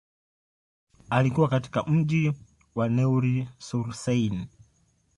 Alikua katika mji wa Neuilly-sur-Seine.